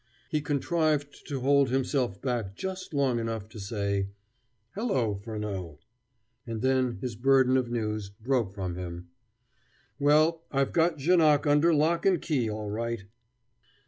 He contrived to hold himself back just long enough to say, "Hello, Furneaux!" and then his burden of news broke from him: "Well, I've got Janoc under lock and key all right."